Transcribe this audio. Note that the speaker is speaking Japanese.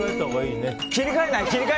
切り替えない！